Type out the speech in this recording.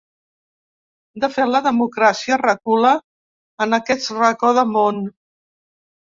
De fet, la democràcia recula en aquest racó de món.